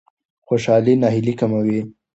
خوشالي ناهیلي کموي.